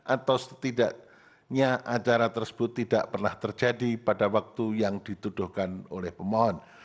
atau setidaknya acara tersebut tidak pernah terjadi pada waktu yang dituduhkan oleh pemohon